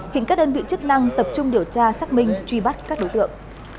hiện các đơn vị chức năng tập trung điều tra xác minh truy bắt các đối tượng